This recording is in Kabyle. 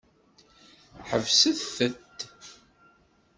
Ḥebset-tent!